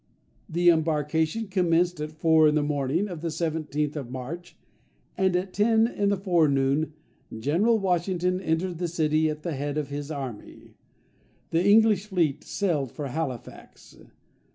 The embarkation commenced at four in the morning of the 17th of March, and at ten in the forenoon General Washington entered the city at the head of his army. The English fleet sailed for Halifax.